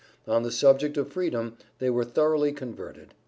On the subject of freedom they were thoroughly converted.